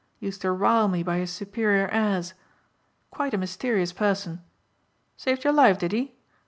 Used to rile me by his superior airs. Quite a mysterious person. Saved your life did he?